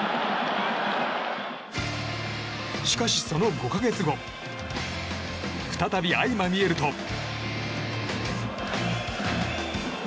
しかし、その５か月後再び相まみえると。